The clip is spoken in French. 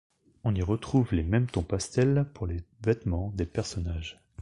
On y retrouve les mêmes tons pastel pour les vêtements des personnages.